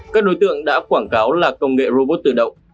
các đối tượng đã quảng cáo là công nghệ robot tự động